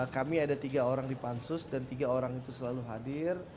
kami ada tiga orang di pansus dan tiga orang itu selalu hadir